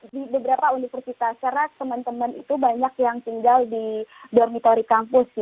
di beberapa universitas erat teman teman itu banyak yang tinggal di dormitori kampus